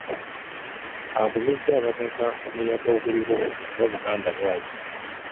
Agumizza abantu ku muyaga oguliwo kuba Buganda lwazi .